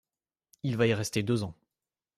Il va y rester deux ans.